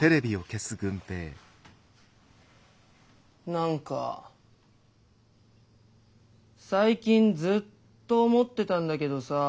なんか最近ずっと思ってたんだけどさぁ